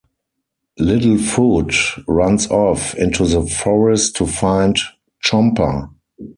Littlefoot runs off into the forest to find Chomper.